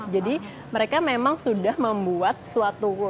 jadi mereka memang sudah membuat suatu perusahaan yang sangat berharga